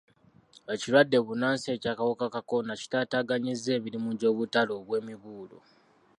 Ekirwadde bbunansi eky'akawuka ka kolona kitaataaganyizza emirimu gy'obutale obw'emibuulo.